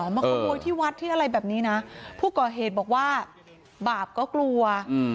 มาขโมยที่วัดที่อะไรแบบนี้นะผู้ก่อเหตุบอกว่าบาปก็กลัว